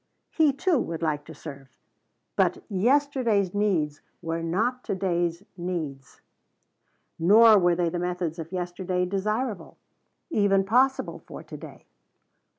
He, too, would like to serve. But yesterday's needs were not to day's needs, nor were the methods of yesterday desirable, even possible, for to day.